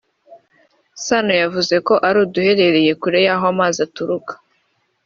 Sano yavuze ko ari uduherereye kure y’aho amazi aturuka